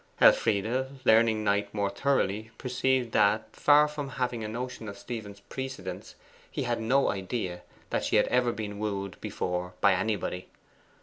Elfride, learning Knight more thoroughly, perceived that, far from having a notion of Stephen's precedence, he had no idea that she had ever been wooed before by anybody.